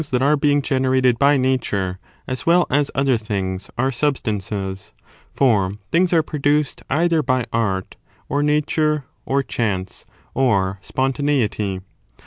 generated by Nature, as well as other things, are substances. For things are produced either by Art, or Nature, or Chance, or Spontaneity.